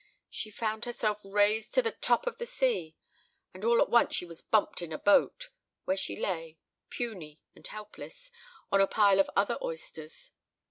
She found herself raised to the top of the sea; and all at once she was bumped in a boat, where she lay, puny and helpless, on a huge pile of other oysters.